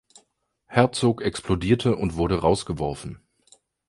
Herzog explodierte und wurde rausgeworfen.